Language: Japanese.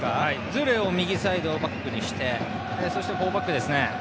ズーレを右サイドバックにしてフォーバックですね。